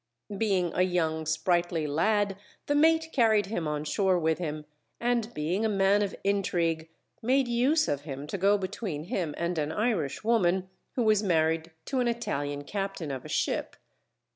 Being a young sprightly lad the mate carried him on shore with him, and being a man of intrigue, made use of him to go between him and an Irish woman, who was married to an Italian captain of a ship.